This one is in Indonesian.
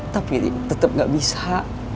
tapi tetap gak bisa